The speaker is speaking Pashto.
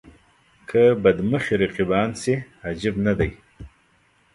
که بد مخي رقیبان شي عجب نه دی.